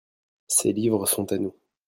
Ces livres sont à nous.